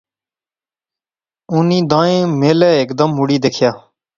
انیں دائیں میں لے ہیک دم مڑی دیکھیا